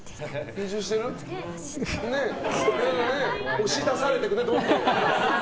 押し出されていくね、どんどん。